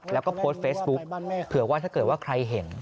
แล้วก็โพสต์เฟซบุ๊คเผื่อว่าถ้าเกิดว่าใครเห็น